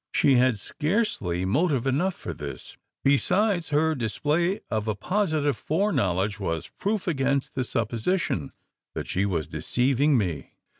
She had scarcely motive enough for this; besides, her display of a positive foreknowledge was proof against the supposition, that she was deceiving me?